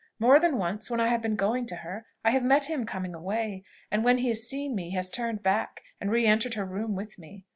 More than once, when I have been going to her, I have met him coming away; and when he has seen me, he has turned back, and re entered her room with me.